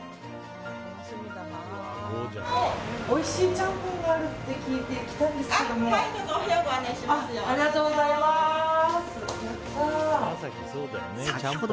おいしい、ちゃんぽんがあるって聞いて来たんですけど。